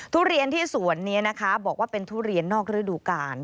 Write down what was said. ทุเรียนที่สวนนี้นะคะบอกว่าเป็นทุเรียนนอกฤดูกาล